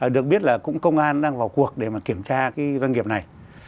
được biết là cũng công an đang vào cuộc để mà kiểm tra cái doanh nghiệp này